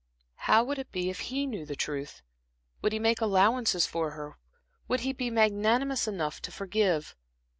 How would it be if he knew the truth? Would he make allowances for her, would he be magnanimous enough to forgive?